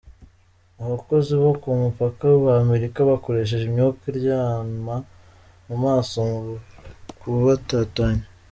Abakozi bo ku mupaka b'Amerika bakoresheje imyuka iryama mu maso mu kubatatanya.